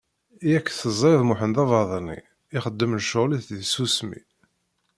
Yak teẓriḍ Muḥend d abaḍni, ixeddem lecɣal-is di tsusmi!